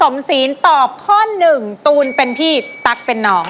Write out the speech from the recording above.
แล้ววันนี้ผมมีสิ่งหนึ่งนะครับเป็นตัวแทนกำลังใจจากผมเล็กน้อยครับ